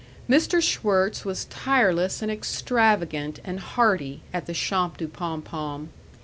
Mr. Schwirtz was tireless and extravagant and hearty at the Champs du Pom Pom.